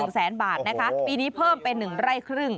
แสนบาทนะคะปีนี้เพิ่มเป็น๑ไร่ครึ่ง